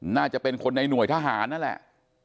น่าจะเป็นคนในหน่วยทหารนั่นแหละ